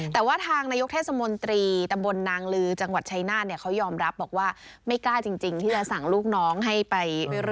แต่ว่าทางนายกเทศมนตรีตำบลนางลือจังหวัดชายนาฏเนี่ยเขายอมรับบอกว่าไม่กล้าจริงที่จะสั่งลูกน้องให้ไปรอ